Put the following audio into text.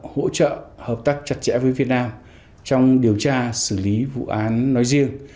hỗ trợ hợp tác chặt chẽ với việt nam trong điều tra xử lý vụ án nói riêng